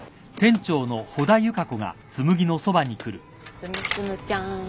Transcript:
つむつむちゃん。